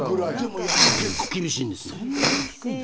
結構厳しいですね。